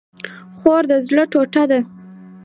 خور د زړه ټوټه ده